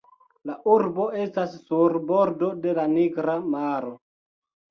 La urbo estas sur bordo de la Nigra maro.